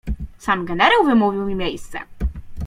"Sam generał wymówił mi miejsce."